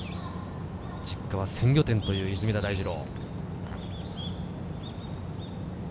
実家は鮮魚店という出水田大二郎。